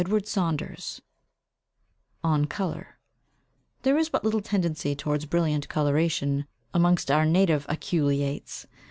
ON COLOUR There is but little tendency towards brilliant coloration amongst our native aculeates.